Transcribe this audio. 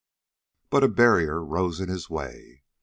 But a barrier rose in his way.